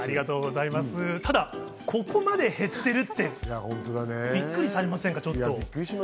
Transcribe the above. ただ、ここまで減ってるってびっくりしますね。